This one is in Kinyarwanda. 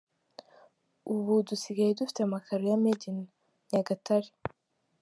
Ubu dusigaye dufite amakaro ya ‘Made in Nyagatare’.